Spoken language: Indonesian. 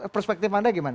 perspektif anda gimana